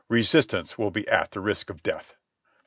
Resistance will be at the risk of death."